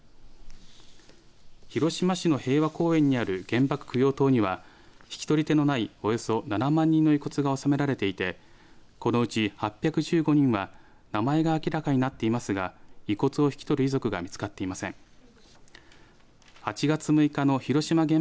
広島市の平和公園にある原爆供養塔には引き取り手のない、およそ７万人の遺骨が納められていてこのうち８１５人は名前が明らかになっていますが遺骨を引き取る遺族が見つかっていません。